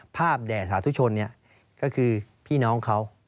แด่สาธุชนก็คือพี่น้องเขา